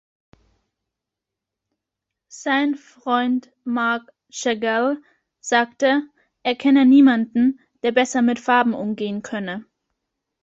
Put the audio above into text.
Sein Freund Marc Chagall sagte, er kenne niemanden, der besser mit Farben umgehen könne.